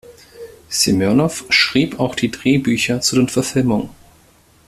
Semjonow schrieb auch die Drehbücher zu den Verfilmungen.